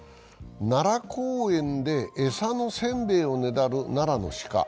奈良公園で餌の煎餅をねだる奈良の鹿。